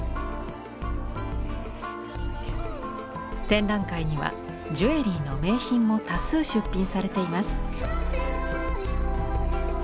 展覧会にはジュエリーの名品も多数出品されています。